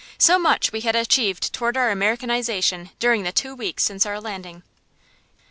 So much we had achieved toward our Americanization during the two weeks since our landing.